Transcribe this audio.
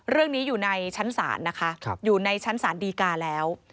เรื่องนี้อยู่ในชั้นศาลนะคะอยู่ในชั้นศาลดีกาแล้ว